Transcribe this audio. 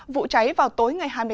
vụ cháy vào tối ngày hai mươi tám